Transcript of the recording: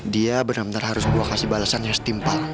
dia bener bener harus gue kasih balesannya setimpal